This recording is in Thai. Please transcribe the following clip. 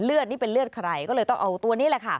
นี่เป็นเลือดใครก็เลยต้องเอาตัวนี้แหละค่ะ